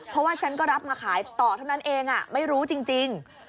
เพราะว่าฉันก็รับมาขายต่อเท่านั้นเองไม่รู้จริง